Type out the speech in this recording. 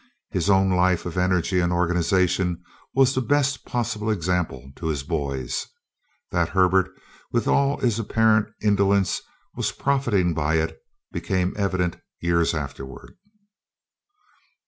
His own life of energy and organization was the best possible example to his boys. That Herbert, with all his apparent indolence, was profiting by it, became evident years afterward.